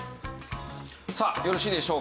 さあよろしいでしょうか？